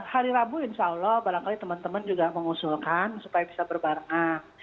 hari rabu insya allah barangkali teman teman juga mengusulkan supaya bisa berbarengan